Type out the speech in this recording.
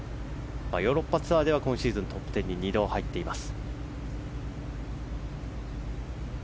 ヨーロッパツアーでは今シーズントップ１０に２度入っています。